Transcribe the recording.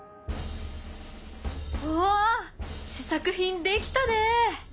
おお試作品できたね。